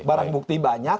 barang bukti banyak